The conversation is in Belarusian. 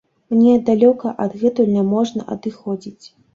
Мне далёка адгэтуль няможна адыходзіць.